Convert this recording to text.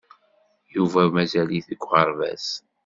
Yuba mazal-it deg uɣerbaz.